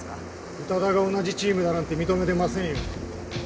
宇多田が同じチームだなんて認めてませんよ。